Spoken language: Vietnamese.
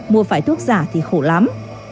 mua phải thuốc giả thì khổ lắm